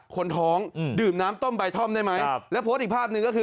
คนท้องดื่มน้ำต้มใบท่อมได้ไหมแล้วโพสต์อีกภาพหนึ่งก็คือ